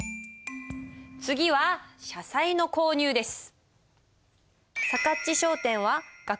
次は社債の購入です。